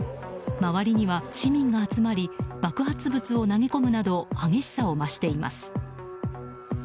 周りには市民が集まり爆発物を投げ込むなど激しさを増しています。